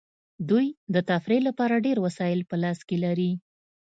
دوی د تفریح لپاره ډیر وسایل په لاس کې لري